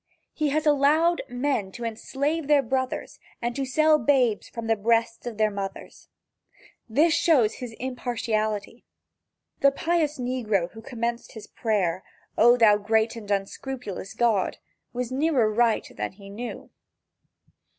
He has allowed men to enslave their brothers and to sell babes from the breasts of mothers. This shows his impartiality. The pious negro who commenced his prayer: "O thou great and unscrupulous God," was nearer right than he knew.